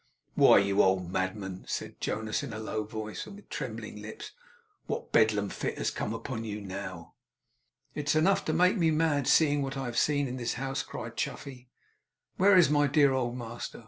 'Why, you old madman!' said Jonas, in a low voice, and with trembling lips. 'What Bedlam fit has come upon you now?' 'It is enough to make me mad, seeing what I have seen in this house!' cried Chuffey. 'Where is my dear old master!